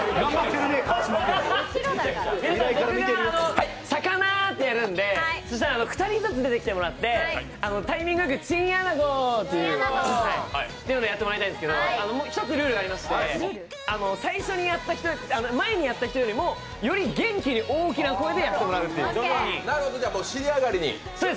僕が「さかな」ってやるので、そしたら２人ずつ出てきてもらってタイミングよく「チンアナゴ」っていうのやってもらいたいんですけど一つルールがありまして、最初にやった人前にやった人よりもより元気に大きな声でやってもらいたいんです。